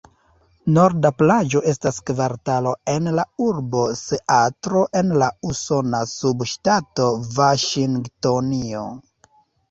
Norda Plaĝo estas kvartalo en la urbo Seatlo en la usona subŝtato Vaŝingtonio.